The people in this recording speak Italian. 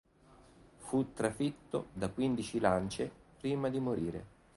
Fu trafitto da quindici lance prima di morire.